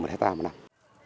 một hectare một năm